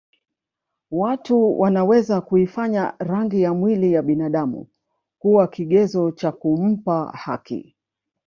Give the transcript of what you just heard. Watu wanaweza kuifanya rangi ya mwili ya binadamu kuwa kigezo cha kumpa haki